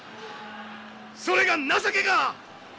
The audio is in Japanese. それが情けか！